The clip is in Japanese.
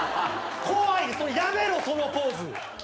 怖いやめろそのポーズ。